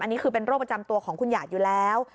อันนี้คือเป็นโรคประจำตัวของคุณหยาดอยู่แล้ว